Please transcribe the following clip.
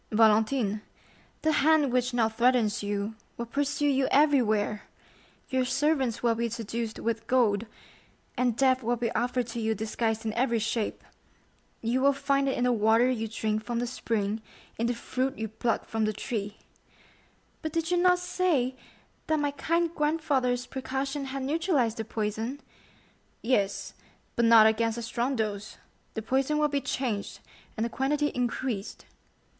"Valentine, the hand which now threatens you will pursue you everywhere; your servants will be seduced with gold, and death will be offered to you disguised in every shape. You will find it in the water you drink from the spring, in the fruit you pluck from the tree." "But did you not say that my kind grandfather's precaution had neutralized the poison?" "Yes, but not against a strong dose; the poison will be changed, and the quantity increased."